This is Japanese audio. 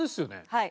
はい。